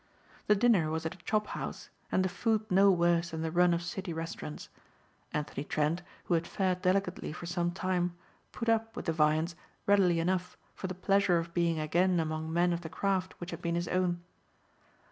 The dinner was at a chop house and the food no worse than the run of city restaurants. Anthony Trent, who had fared delicately for some time, put up with the viands readily enough for the pleasure of being again among men of the craft which had been his own.